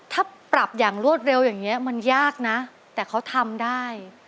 ถ้าปรับอย่างรวดเร็วอย่างนี้มันยากนะแต่เขาทำได้